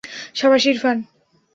সাবাশ, Irfan.